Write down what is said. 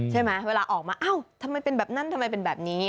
เวลาออกมาเอ้าทำไมเป็นแบบนั้นทำไมเป็นแบบนี้